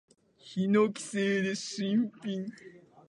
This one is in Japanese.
ヒノキ製で新品。